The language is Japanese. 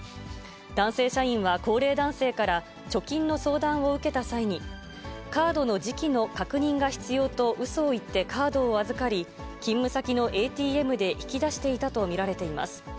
男性社員は高齢男性から貯金の相談を受けた際に、カードの磁気の確認が必要とうそを言ってカードを預かり、勤務先のＡＴＭで引き出していたと見られています。